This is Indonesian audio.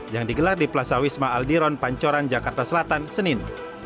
yang digelar di plaza wisma aldiron pancoran jakarta selatan senin